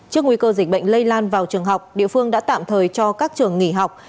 trước nguy cơ dịch bệnh lây lan vào trường học địa phương đã tạm thời cho các trường nghỉ học